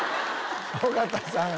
尾形さん